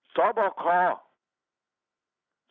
สอบคต์